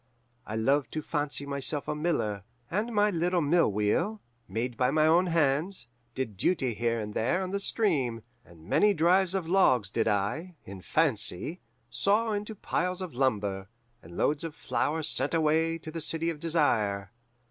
I loved to fancy myself a miller, and my little mill wheel, made by my own hands, did duty here and there on the stream, and many drives of logs did I, in fancy, saw into piles of lumber, and loads of flour sent away to the City of Desire.